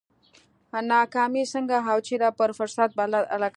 ناکامي څنګه او چېرې پر فرصت بدله کړي؟